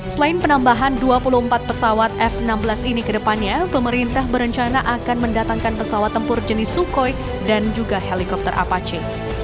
selain penambahan dua puluh empat pesawat f enam belas ini ke depannya pemerintah berencana akan mendatangkan pesawat tempur jenis sukhoi dan juga helikopter apache